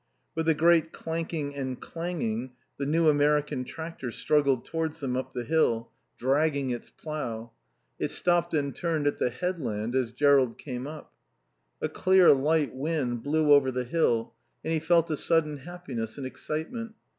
With a great clanking and clanging the new American, tractor struggled towards them up the hill, dragging its plough. It stopped and turned at the "headland" as Jerrold came up. A clear, light wind blew over the hill and he felt a sudden happiness and excitement.